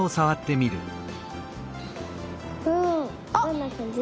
おどんなかんじ？